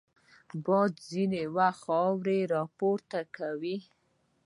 باد ځینې وخت خاوره راپورته کوي